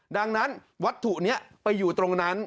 ดังนั้นวัตถุนี้ไปอยู่ตรงนั้น